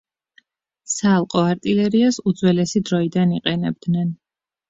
საალყო არტილერიას უძველესი დროიდან იყენებდნენ.